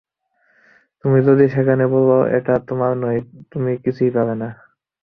তুমি যদি সেখানে বলো এটা তোমার নয়, তুমি কিছুই পাবে না।